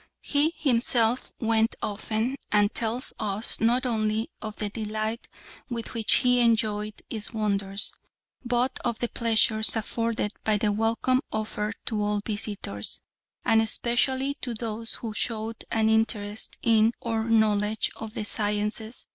He himself went often, and tells us not only of the delight with which he enjoyed its wonders, but of the pleasure afforded by the welcome offered to all visitors, and especially to those who showed an interest in or knowledge of the sciences.